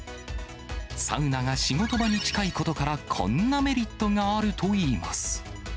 サウナが仕事場に近いことから、こんなメリットがあるといいます。